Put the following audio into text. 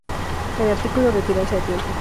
El artículo "Retirarse a tiempo.